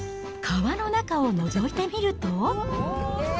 川の中をのぞいてみると。